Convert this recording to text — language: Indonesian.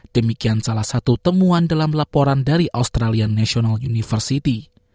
demikian salah satu temuan dalam laporan dari australian national university